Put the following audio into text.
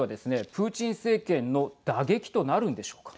プーチン政権の打撃となるんでしょうか。